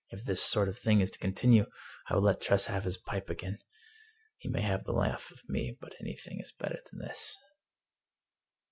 " If this sort of thing is to continue, I will let Tress have his pipe again. He may have the laugh of me, but anything is better than this."